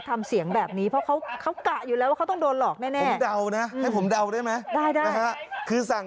ทำเสียงแบบนี้เพราะเขากะอยู่แล้วว่าเขาต้องโดนหลอกแน่แน่ผมเดานะให้ผมเดาได้ไหมได้คือสั่ง